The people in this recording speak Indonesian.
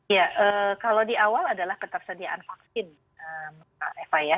ya kalau di awal adalah ketersediaan vaksin eva ya